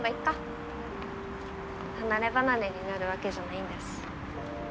離れ離れになるわけじゃないんだし。